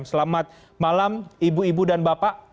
selamat malam ibu ibu dan bapak